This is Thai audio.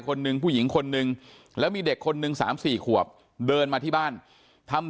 คนหนึ่งผู้หญิงคนนึงแล้วมีเด็กคนนึง๓๔ขวบเดินมาที่บ้านทำ